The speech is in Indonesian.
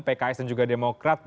pks dan juga demokrat